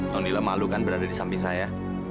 tondila malu kan berada di samping saya